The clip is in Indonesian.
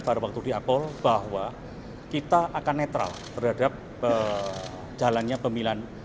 pada waktu di akpol bahwa kita akan netral berhadap jalannya pembilan